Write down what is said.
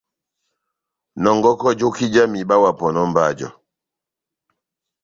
Nɔngɔkɔ joki jáh mihiba wa pɔnɔ mba jɔ.